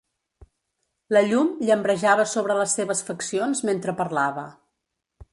La llum llambrejava sobre les seves faccions mentre parlava.